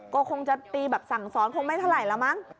ก็คงจะตีแบบสั่งสอนคงไม่เท่าไหร่แล้วมั้ง